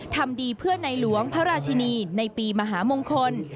ทำดีเพื่อในหลวงพระราชินีในปีมหามงคล